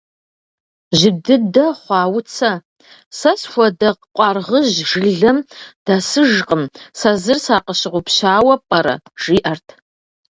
Жьы дыдэ хъуа Уцэ: «Сэ схуэдэ къуаргъыжь жылэм дэсыжкъым, сэ зыр сакъыщыгъупщауэ пӏэрэ?», жиӏэрт.